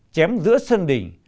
chém giữa sân đỉnh